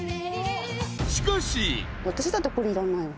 しかし。